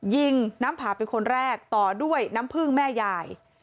ยิงน้ำผาเป็นคนแรกต่อด้วยน้ำผึ้งแม่ยาย